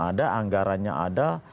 ada anggarannya ada